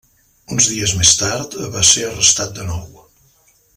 Uns dies més tard, va ser arrestat de nou.